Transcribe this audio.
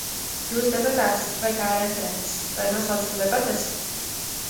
Jūs debatēs vai kā referents, vai noslēdzam debates?